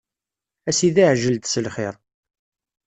A sidi ɛjel-d s lxir.